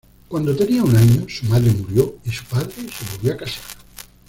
Cuando tenía un año, su madre murió y su padre se volvió a casar.